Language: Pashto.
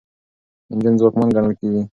انجن ځواکمن ګڼل کیږي.